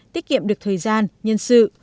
tiết kiệm được thời gian nhân sự